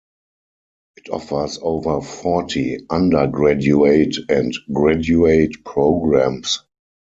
It offers over forty undergraduate and graduate programs.